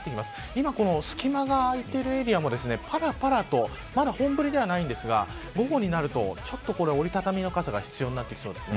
今、隙間が空いているエリアもぱらぱらとまだ本降りではないんですが午後になると、ちょっと折り畳みの傘が必要になってきそうです